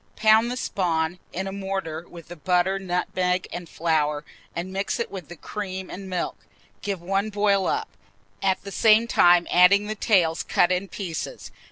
Pound the spawn in a mortar, with the butter, nutmeg, and flour, and mix with it the cream and milk. Give one boil up, at the same time adding the tails cut in pieces.